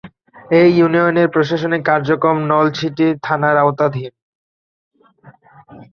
এ ইউনিয়নের প্রশাসনিক কার্যক্রম নলছিটি থানার আওতাধীন।